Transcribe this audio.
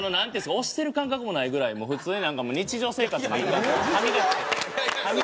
押してる感覚もないぐらい普通になんかもう日常生活の一環で歯磨き。